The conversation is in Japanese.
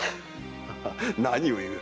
何を言う。